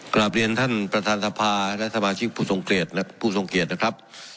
กลับเรียนท่านประธานสภาและสมาชิกผู้ทรงเกียจและผู้ทรงเกียจนะครับ